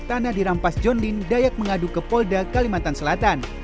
tanah dirampas john lin dayak mengadu kepolda kalimantan selatan